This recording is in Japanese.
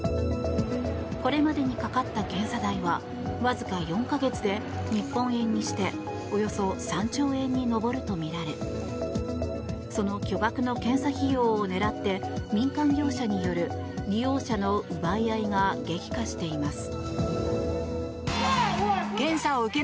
これまでにかかった検査代はわずか４か月で日本円にしておよそ３兆円に上るとみられその巨額の検査費用を狙って民間業者による利用者の奪い合いが激化しています。